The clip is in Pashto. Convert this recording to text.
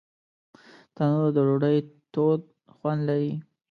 تنور د ډوډۍ تود خوند لري